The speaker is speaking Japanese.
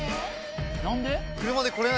何で？